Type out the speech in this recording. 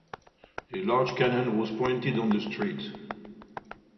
A large cannon was pointed on the street.